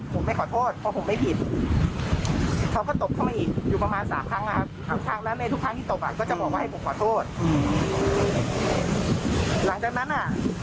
ผมก็บอกว่าโอเคครับงั้นจบนะ